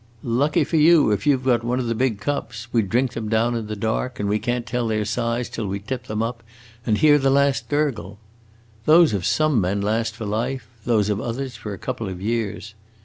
Lucky for you if you 've got one of the big cups; we drink them down in the dark, and we can't tell their size until we tip them up and hear the last gurgle. Those of some men last for life; those of others for a couple of years.